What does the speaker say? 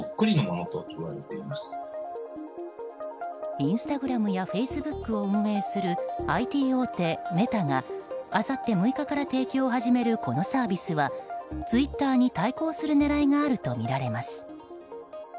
インスタグラムやフェイスブックを運営するＩＴ大手メタがあさって６日から提供を始めるこのサービスはツイッターに対抗する狙いがあるとみられます。